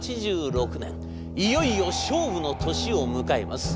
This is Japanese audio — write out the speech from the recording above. いよいよ勝負の年を迎えます。